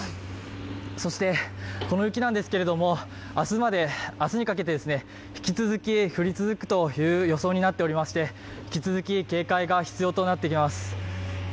そして、この雪ですけれども、明日にかけて引き続き降り続くという予想になっておりまして、引き続き警戒が必要となってきます。